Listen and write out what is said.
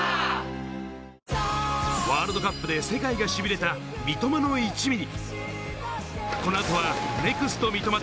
ワールドカップで世界がしびれた「三笘の１ミリ」。